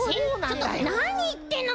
ちょっとなにいってんのもう！